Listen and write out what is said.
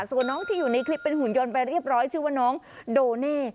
ส่วนน้องที่อยู่ในคลิปเป็นหุ่นยนต์ไปเรียบร้อยชื่อว่าน้องโดเน่